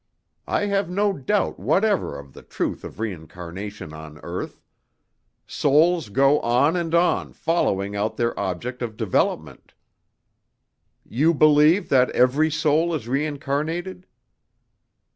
I have no doubt whatever of the truth of reincarnation on earth. Souls go on and on following out their object of development." "You believe that every soul is reincarnated?"